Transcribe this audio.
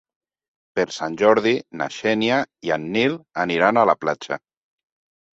Per Sant Jordi na Xènia i en Nil aniran a la platja.